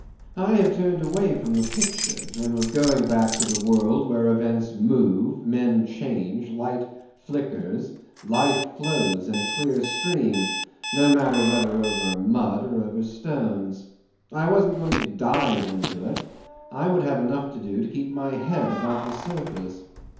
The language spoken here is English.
I had turned away from the picture and was going back to the world where events move, men change, light flickers, life flows in a clear stream, no matter whether over mud or over stones. I wasn't going to dive into it; I would have enough to do to keep my head above the surface.